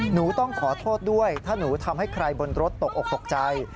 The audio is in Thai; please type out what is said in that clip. หนูต้องขอโทษด้วยถ้าหนูทำให้ใครบนรถตกอกตกใจ